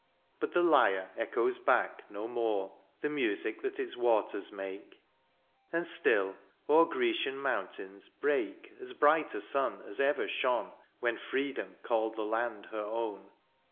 But the lyre echoes back no more The music that its waters make ; And still, o^er Grecian mountains break As bright a sun as ever shone When freedom called the land her own.